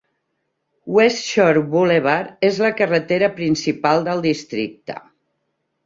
Westshore Boulevard és la carretera principal del districte.